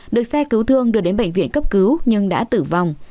được xe cứu thương đưa đến bệnh viện cấp cứu nhưng đã tử vong